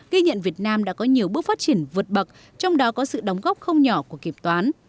ghi nhận việt nam đã có nhiều bước phát triển vượt bậc trong đó có sự đóng góp không nhỏ của kiểm toán